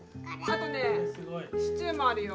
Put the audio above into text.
あとねシチューもあるよ。